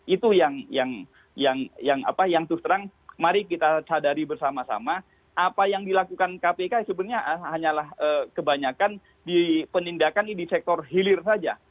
itu yang terus terang mari kita sadari bersama sama apa yang dilakukan kpk sebenarnya hanyalah kebanyakan penindakan di sektor hilir saja